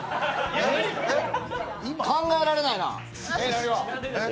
考えられないな。